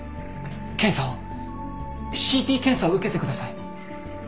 検査をＣＴ検査を受けてください。